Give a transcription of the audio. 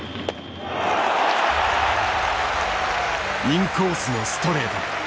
インコースのストレート。